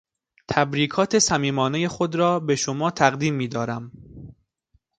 تبریکات صمیمانهٔ خود را بشما تقدیم میدارم.